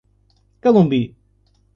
Calumbi